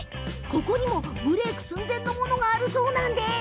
ここにもブレーク寸前のものがあるそうなんです。